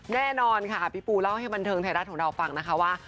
แน่นอนค่ะพี่ปูเล่าให้บันเทิงไทยรัฐของเราฟังนะคะว่า